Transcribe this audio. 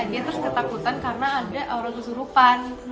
dia terus ketakutan karena ada orang kesurupan